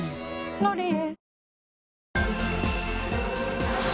「ロリエ」